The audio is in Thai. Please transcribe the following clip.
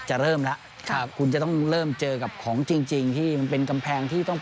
จะเริ่มแล้วคุณจะต้องเริ่มเจอกับของจริงที่มันเป็นกำแพงที่ต้อง